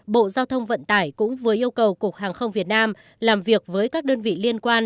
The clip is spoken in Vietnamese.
bộ giao thông vận tải cũng vừa yêu cầu cục hàng không việt nam làm việc với các đơn vị liên quan